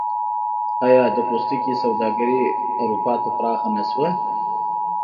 آیا د پوستکي سوداګري اروپا ته پراخه نشوه؟